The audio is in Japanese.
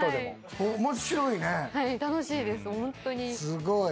すごい。